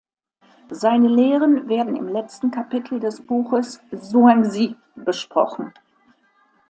Seine Lehren werden im letzten Kapitel des Buches "Zhuangzi" besprochen.